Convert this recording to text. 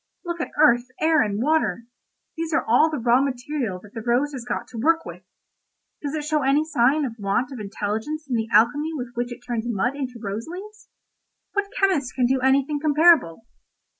Look at earth, air, and water—these are all the raw material that the rose has got to work with; does it show any sign of want of intelligence in the alchemy with which it turns mud into rose leaves? What chemist can do anything comparable?